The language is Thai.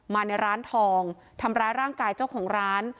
มาในร้านทองทำร้ายร่างกายเจ้าของร้าน